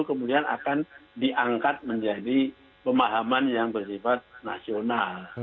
kemudian akan diangkat menjadi pemahaman yang bersifat nasional